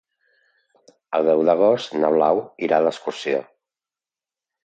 El deu d'agost na Blau irà d'excursió.